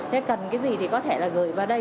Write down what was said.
thế cần cái gì thì có thể là gửi vào đây